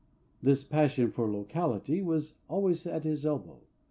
This passion for locality was always at his elbow.